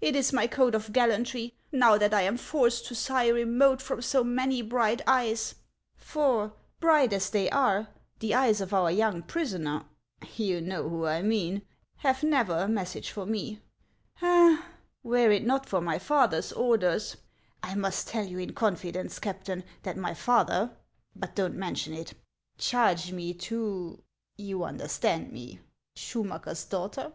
It is my code of gallantry, now that I am forced to sigh remote from so many bright eyes ; for, bright as they are, the eyes of our young pris oner — you know who I mean — have never a message for me. Ah ! were it not for my father's orders !... I must tell you in confidence, Captain, that my father, — but don't 42 HANS OF ICELAND. mention it, — charged me to — you understand me — Scliu macker's daughter.